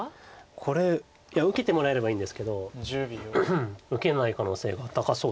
これいや受けてもらえればいいんですけど受けない可能性が高そうです。